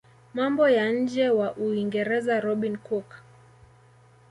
mambo ya nje wa Uingereza Robin cook